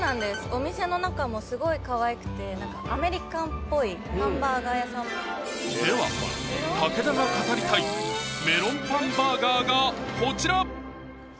お店の中もスゴいかわいくてアメリカンっぽいハンバーガー屋さんでは武田が語りたいメロンパンバーガーがこちら！